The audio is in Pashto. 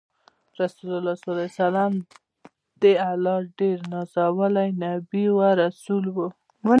رسول الله ص د الله ډیر نازولی نبی او رسول وو۔